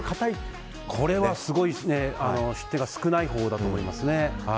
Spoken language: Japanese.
これはすごく失点が少ないほうだと思います。